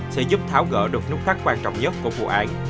sẽ giúp tháo gỡ được nút thắt quan trọng nhất của vụ án